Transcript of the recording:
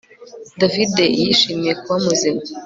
David yishimiye kuba muzima